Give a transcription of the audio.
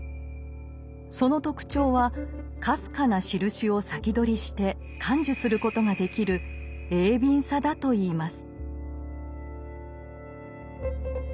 その特徴はかすかなしるしを先取りして感受することができる鋭敏さだといいます。